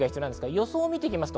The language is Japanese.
予報を見ていきます。